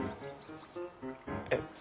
えっ？